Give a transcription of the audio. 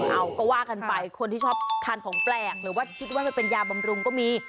เอาก็ว่ากันไปคนที่ชอบทานของแปลกหรือว่าคิดว่ามันเป็นยาบำรุงก็มี